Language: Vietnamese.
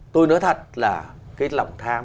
tôi nói thật là cái lòng tham